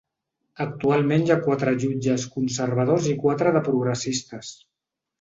Actualment hi ha quatre jutges conservadors i quatre de progressistes.